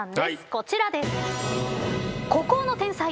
こちらです。